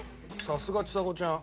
さすがちさ子ちゃん。